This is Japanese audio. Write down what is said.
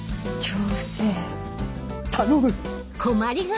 頼む！